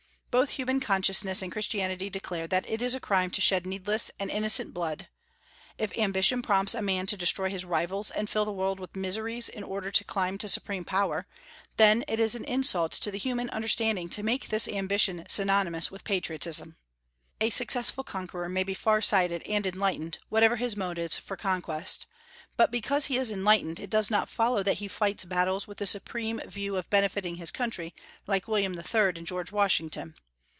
Both human consciousness and Christianity declare that it is a crime to shed needless and innocent blood. If ambition prompts a man to destroy his rivals and fill the world with miseries in order to climb to supreme power, then it is an insult to the human understanding to make this ambition synonymous with patriotism. A successful conqueror may be far sighted and enlightened, whatever his motives for conquest; but because he is enlightened, it does not follow that he fights battles with the supreme view of benefiting his country, like William III. and George Washington.